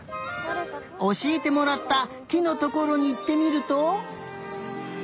おしえてもらったきのところにいってみると。